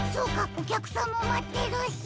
おきゃくさんもまってるし。